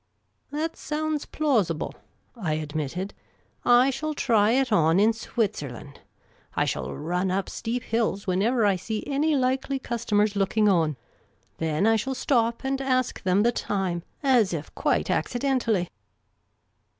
" That sounds plausible," I admitted. " I shall try it on in Switzerland. I shall run up steep hills whenever I see any likely customers looking on ; then I shall stop and ask them the time, as if quite accidentally."